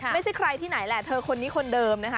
ไม่ใช่ใครที่ไหนแหละเธอคนนี้คนเดิมนะคะ